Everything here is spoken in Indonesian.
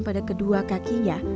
pada kedua kakinya